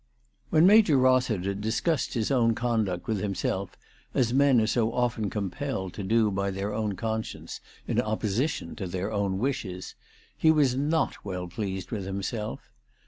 WHEN Major Rossiter discussed his own conduct with himself as men are so often compelled to do by their own conscience, in opposition to their own wishes, he was not well pleased with himself.